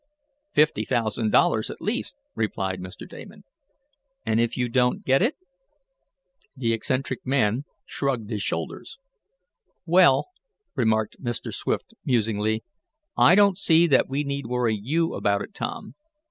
"Fifty thousand dollars at least," replied Mr. Damon. "And if you don't get it?" The eccentric man shrugged his shoulders. "Well," remarked Mr. Swift musingly, "I don't see that we need worry you about it, Tom.